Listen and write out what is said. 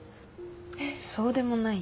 そうでもないよ。